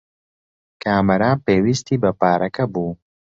کامەران پێویستیی بە پارەکە بوو.